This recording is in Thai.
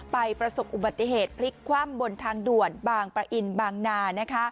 ประสบอุบัติเหตุพลิกคว่ำบนทางด่วนบางประอินบางนา